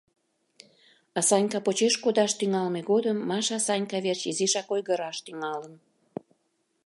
А Санька почеш кодаш тӱҥалме годым Маша Санька верч изишак ойгыраш тӱҥалын.